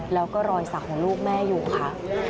แล้วก็รอยสักของลูกแม่อยู่ค่ะ